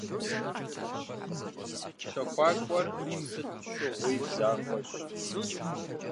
Щэхуакӏуэр сыт щыгъуи захуэщ!